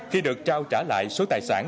khi được trao trả lại số tài sản